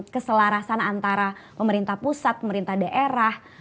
keselarasan antara pemerintah pusat pemerintah daerah